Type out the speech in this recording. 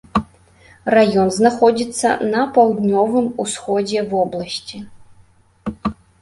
Раён знаходзіцца на паўднёвым усходзе вобласці.